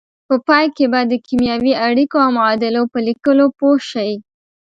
په پای کې به د کیمیاوي اړیکو او معادلو په لیکلو پوه شئ.